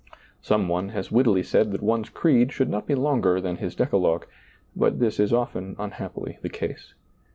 Some one has wittily said that one's creed should not be longer than his decalogue, but this is often unhappily the case.